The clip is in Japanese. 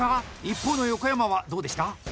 一方の横山は、どうでした？